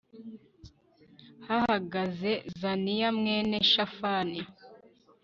hahagaze zaniya mwene shafani